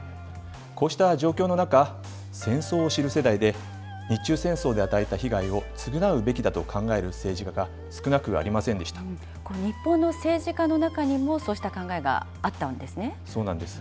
こうした状況の中、戦争を知る世代で、日中戦争で与えた被害を償うべきだと考える政治家が少なく日本の政治家の中にも、そうそうなんです。